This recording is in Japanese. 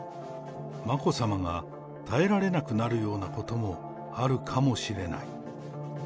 眞子さまが耐えられるなくなることもあるかもしれない。